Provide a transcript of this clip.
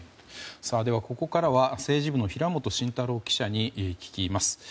ここからは政治部の平元真太郎記者に聞きます。